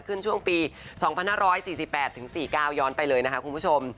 ช่วงปี๒๕๔๘ถึง๔๙ย้อนไปเลยนะคะคุณผู้ชม